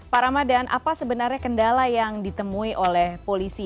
pak ramadan apa sebenarnya kendala yang ditemui oleh polisi